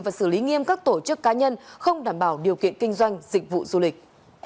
và xử lý nghiêm các tổ chức cá nhân không đảm bảo điều kiện kinh doanh dịch vụ du lịch